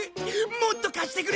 もっと貸してくれ！